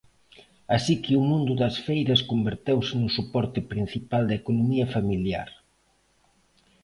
Así que o mundo das feiras converteuse no soporte principal da economía familiar.